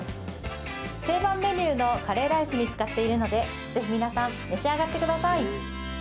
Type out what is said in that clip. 定番メニューのカレーライスに使っているのでぜひ皆さん召し上がってください